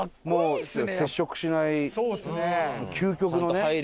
もう接触しない究極のね。